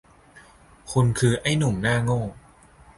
คุณคือไอ้หนุ่มหน้าโง่